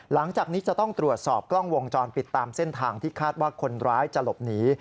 หลังจากนี้จะต้องตรวจสอบกล้องวงจรปิดตามเส้นทางที่คาดว่าคนร้ายจะหลบหนี